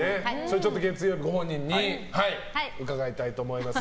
月曜日ご本人に伺いたいと思います。